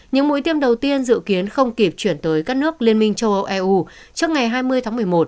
những mũi tiêm đầu tiên dự kiến không kịp chuyển tới các nước liên minh châu âu eu trước ngày hai mươi tháng một mươi một